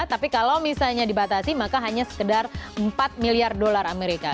tapi kalau misalnya dibatasi maka hanya sekedar empat miliar dolar amerika